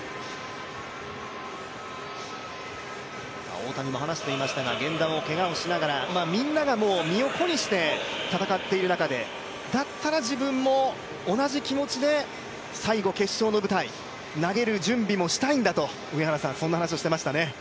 大谷も話していましたが、源田もけがをしながら、みんながもう身を粉にして戦っている中でだったら自分も同じ気持ちで最後、決勝の舞台、投げる準備もしたいんだとそんな話もしていました。